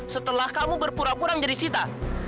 setelah kamu berpura pura menjadi sita